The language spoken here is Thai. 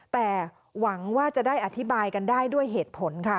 แต่หวังว่าจะได้อธิบายกันได้ด้วยเหตุผลค่ะ